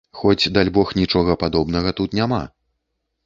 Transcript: Хоць, дальбог, нічога падобнага тут няма.